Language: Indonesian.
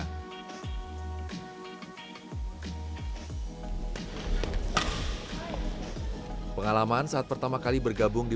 yang diperhatikan hal ini bukan saja sama sekali menu isinya